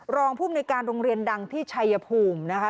รองภูมิในการโรงเรียนดังที่ชัยภูมินะคะ